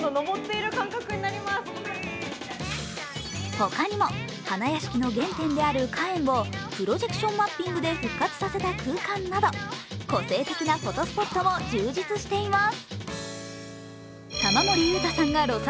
他にも花やしきの原点である花園をプロジェクションマッピングで復活させた空間など個性的なフォトスポットも充実しています。